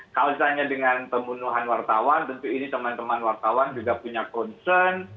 kalau misalnya dengan pembunuhan wartawan tentu ini teman teman wartawan juga punya concern